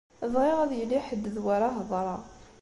Bɣiɣ ad yili ḥedd d wi ara heḍṛeɣ.